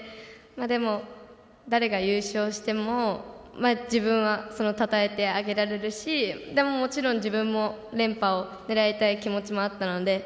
でも、誰が優勝しても自分は、たたえてあげられるしでももちろん、自分も連覇を狙いたい気持ちもあったので。